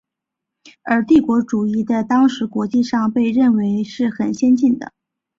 而帝国主义在当时国际上却被认为是很先进的。